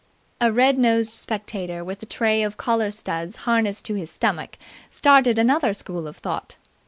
A red nosed spectator with a tray of collar studs harnessed to his stomach started another school of thought.